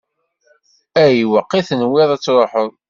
Ayweq i tenwiḍ ad tṛuḥeḍ?